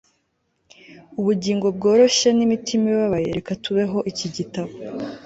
Ubugingo bworoshye nimitima ibabaye reka tubeho iki gitabo